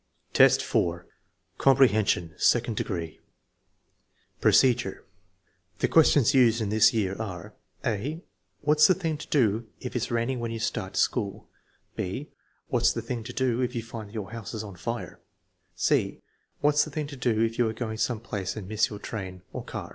I, 4. Comprehension, second degree Procedure. The questions used in this year are: (a) " What 9 5 the thing to do if it is raining when you start to school?" (&y " What 9 s the thing to do if you find that your house is on fire f " (c) " What *5 the thing to do if you are going some place and miss your train (car)?"